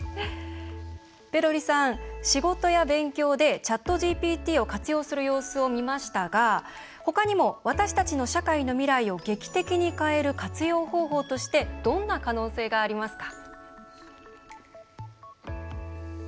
ペロリさん仕事や勉強でＣｈａｔＧＰＴを活用する様子を見ましたが他にも、私たちの社会の未来を劇的に変える活用方法としてどんな可能性がありますか？